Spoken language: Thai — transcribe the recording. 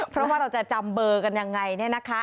เพราะว่าเราจะจำเบอร์กันยังไงเนี่ยนะคะ